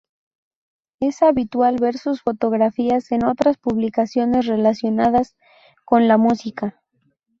Es habitual ver sus fotografías en otras publicaciones relacionadas con la música.